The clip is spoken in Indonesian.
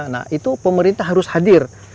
nah itu pemerintah harus hadir